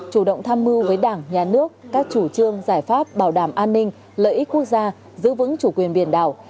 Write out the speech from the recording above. chủ động tham mưu với đảng nhà nước các chủ trương giải pháp bảo đảm an ninh lợi ích quốc gia giữ vững chủ quyền biển đảo